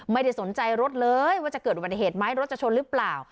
ไม่ได้สนใจรถเลยว่าจะเกิดอุบัติเหตุไหมรถจะชนหรือเปล่า